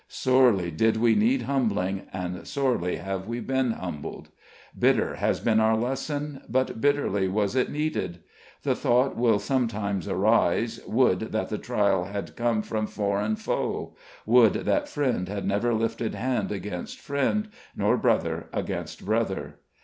Sorely did we need humbling, and sorely have we been humbled. Bitter has been our lesson, but bitterly was it needed. The thought will sometimes arise, would that the trial had come from foreign foe; would that friend had never lifted hand against friend, nor brother against brother!